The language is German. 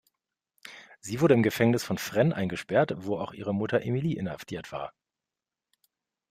Sie wurde im Gefängnis von Fresnes eingesperrt, wo auch ihre Mutter Emilie inhaftiert war.